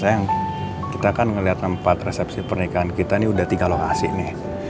sayang kita kan melihat tempat resepsi pernikahan kita ini udah tiga lokasi nih